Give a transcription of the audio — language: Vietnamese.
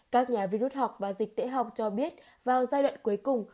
các nhà virus học và dịch tễ học cho biết vào giai đoạn cuối cùng